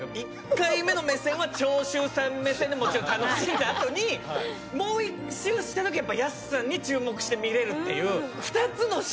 １回目の目線は長州さん目線でもちろん楽しんだ後にもう１周したときにやすさんに注目して見られる。